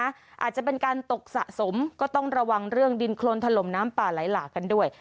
อาจจะเป็นการตกสะสมก็ต้องระวังเรื่องดินโครนถล่มน้ำป่าไหลหลากกันด้วย